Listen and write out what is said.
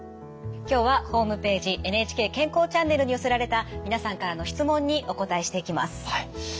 今日はホームページ「ＮＨＫ健康チャンネル」に寄せられた皆さんからの質問にお答えしていきます。